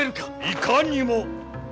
いかにも。